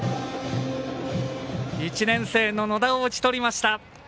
１年生の野田を打ちとりました。